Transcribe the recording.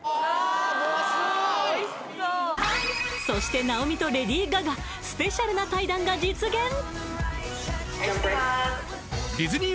そして直美とレディー・ガガスペシャルな対談が実現！